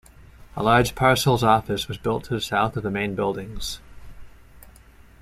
A large parcels office was built to the south of the main buildings.